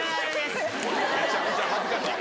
めちゃくちゃ恥ずかしい。